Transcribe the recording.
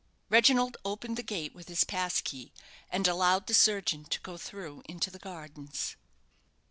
Reginald opened the gate with his pass key, and allowed the surgeon to go through into the gardens.